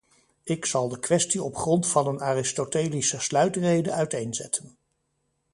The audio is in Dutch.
Ik zal de kwestie op grond van een aristotelische sluitrede uiteenzetten.